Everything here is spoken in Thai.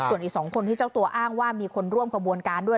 ส่วนอีก๒คนที่เจ้าตัวอ้างว่ามีคนร่วมขบวนการด้วย